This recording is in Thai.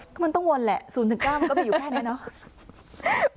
ก็มันต้องวนแหละ๐๙มันก็มีอยู่แค่นี้เนาะ